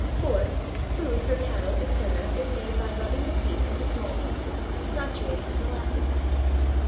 4. Food for cattle, etc., is made by rubbing the peat into small pieces and saturating with molasses.